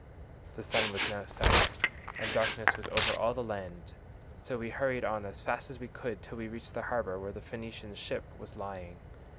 The sun was now set, and darkness was over all the land, so we hurried on as fast as we could till we reached the harbour, where the Phoenician ship was lying.